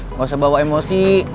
nggak usah bawa emosi